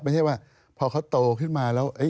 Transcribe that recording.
ไม่ใช่ว่าพอเขาโตขึ้นมาแล้ว